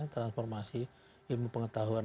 transformasi ilmu pengetahuan